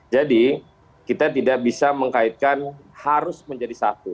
jadi kita tidak bisa mengkaitkan harus menjadi satu